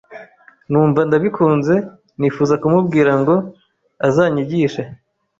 numva ndabikunze nifuza kumubwira ngo azanyigishe.